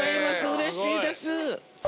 うれしいです。